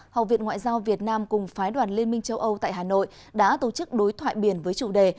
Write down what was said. học viện ngoại giao việt nam cùng phái đoàn liên minh châu âu tại hà nội đã tổ chức đối thoại biển với chủ đề